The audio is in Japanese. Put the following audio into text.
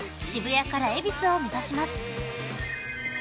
渋谷から恵比寿を目指します］